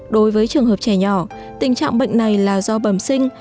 đối với trường hợp trẻ nhỏ tình trạng bệnh này là do bẩm sinh